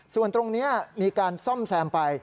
ส่วนตรงนี้มีการซ่อมแซมไป